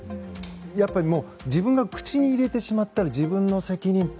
やっぱり自分が口に入れてしまったら自分の責任。